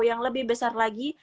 yang lebih besar lagi